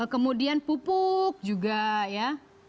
kemudian pupuk juga ya